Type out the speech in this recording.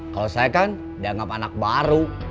kalau saya kan dianggap anak baru